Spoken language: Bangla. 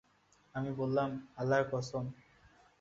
আমি বললাম, আল্লাহর কসম!